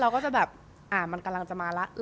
เราก็จะแบบมันกำลังจะมาแล้ว